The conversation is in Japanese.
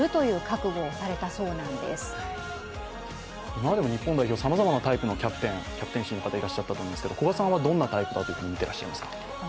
今までも日本代表、さまざまなタイプのキャプテン、キャプテンシーの方、いらっしゃったと思うんですけど、古賀さんはどんなタイプだと見ていらっしゃいますか？